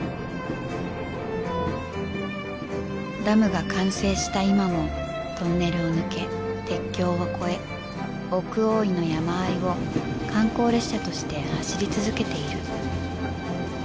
ダムが完成した今もトンネルを抜け鉄橋を越え奥大井の山あいを観光列車として走り続けている